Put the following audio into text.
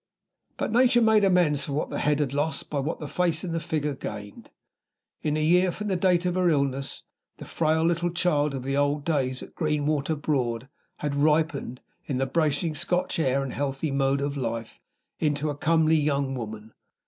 But Nature made amends for what the head had lost by what the face and the figure gained. In a year from the date of her illness, the frail little child of the old days at Greenwater Broad had ripened, in the bracing Scotch air and the healthy mode of life, into a comely young woman.